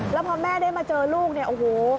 แล้วพอแม่ได้มาเจอลูกโอ้โฮ